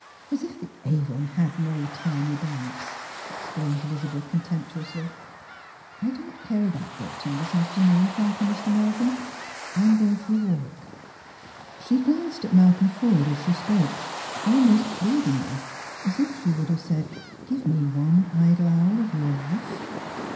" As if the Avon had no thymy banks! " exclaimed Elizabeth contemptuously. "I don't care aboiit boating this afternoon, thank you, Mr. Melvin. T am going for a walk." 'CS Strangers and Pilgrims. She glanced at Malcolm Forde as she spoke, almost plead* \ngly, as if she would have said, Give me one idle hour or your life.